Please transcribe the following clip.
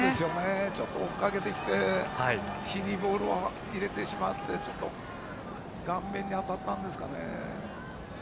ちょっと追いかけてきて日にボールを入れてしまって顔面に当たったんですかね。